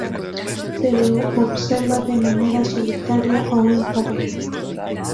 Se lo observa de manera solitaria o en parejas.